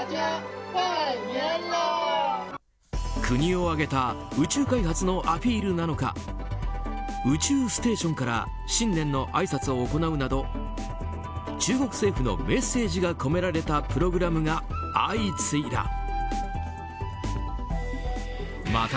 国を挙げた宇宙開発のアピールなのか宇宙ステーションから新年のあいさつを行うなど中国政府のメッセージが込められたプログラムが相次いだ。